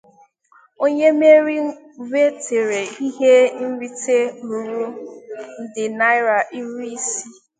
Onye mmeri nwetere ihe nrite ruru nde naira iri isi.